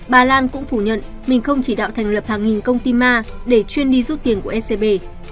bà lan cũng phủ nhận mình không chỉ đạo thành lập hàng nghìn công ty ma để chuyên đi rút tiền của scb